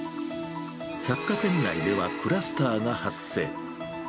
百貨店内ではクラスターが発生。